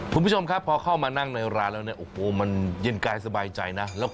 คุณผู้ชมครับพอเข้ามานั่งในร้านแล้วเนี่ยโอ้โหมันเย็นกายสบายใจนะ